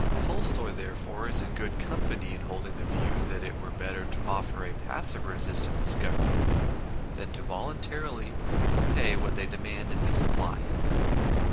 Tolstoy, therefore, is in good company in holding the view that it were better to offer a passive resistance to Governments than volun tarily to pay what they demand and misapply.